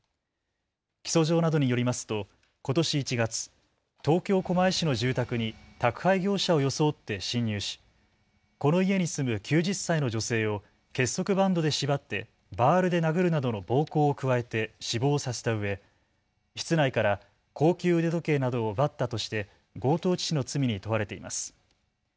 起訴状などによりますとことし１月、東京狛江市の住宅に宅配業者を装って侵入しこの家に住む９０歳の女性を結束バンドで縛ってバールで殴るなどの暴行を加えて死亡させたうえ室内から高級腕時計などを奪ったとして強盗致死の罪に問われています。